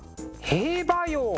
「兵馬俑」！